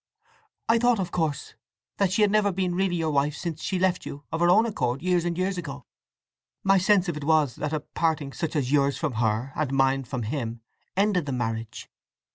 "I thought, of course, that she had never been really your wife since she left you of her own accord years and years ago! My sense of it was, that a parting such as yours from her, and mine from him, ended the marriage."